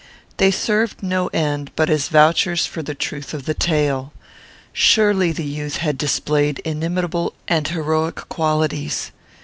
They served no end, but as vouchers for the truth of the tale. Surely the youth had displayed inimitable and heroic qualities.